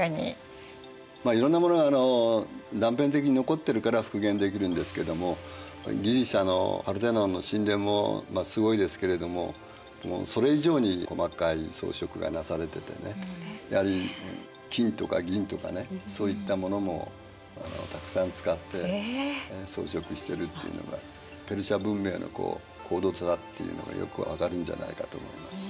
いろんなものが断片的に残ってるから復元できるんですけどもギリシアのパルテノンの神殿もすごいですけれどもそれ以上に細かい装飾がなされててねやはり金とか銀とかねそういったものもたくさん使って装飾してるっていうのがペルシア文明の高度さだっていうのがよく分かるんじゃないかと思います。